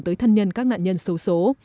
tới thân nhân các nạn nhân xấu xố